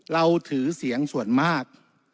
เราถือเสียงส่วนมาก